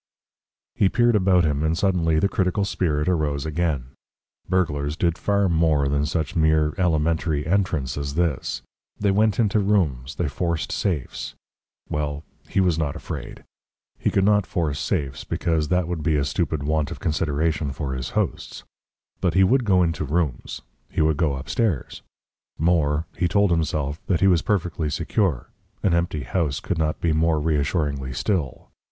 He peered about him, and suddenly the critical spirit arose again. Burglars did far more than such mere elementary entrance as this: they went into rooms, they forced safes. Well he was not afraid. He could not force safes, because that would be a stupid want of consideration for his hosts. But he would go into rooms he would go upstairs. More: he told himself that he was perfectly secure; an empty house could not be more reassuringly still.